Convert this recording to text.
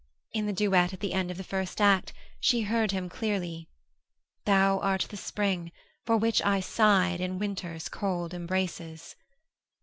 In the duet at the end of the first act she heard him clearly: _"Thou art the Spring for which I sighed in Winter's cold embraces."